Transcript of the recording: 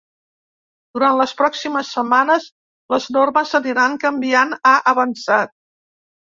Durant les pròximes setmanes, les normes aniran canviant, ha avançat.